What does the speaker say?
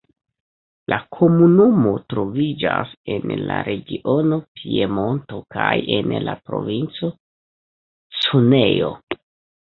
La komunumo troviĝas en la regiono Piemonto kaj en la Provinco Cuneo.